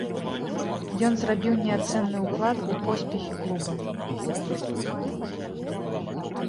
Ён зрабіў неацэнны ўклад у поспехі клуба.